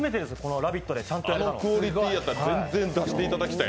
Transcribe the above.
あのクオリティーやったら全然出してもらいたい。